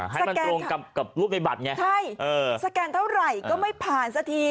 ให้มันตรงกับรูปในบัตรไงใช่เออสแกนเท่าไหร่ก็ไม่ผ่านสักที